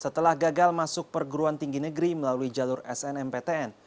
setelah gagal masuk perguruan tinggi negeri melalui jalur snmptn